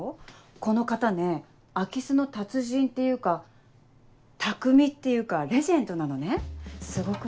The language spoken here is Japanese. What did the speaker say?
この方ね空き巣の達人っていうか匠っていうかレジェンドなのねすごくない？